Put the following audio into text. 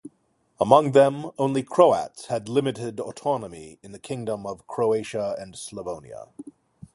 Among them, only Croats had limited autonomy in the Kingdom of Croatia and Slavonia.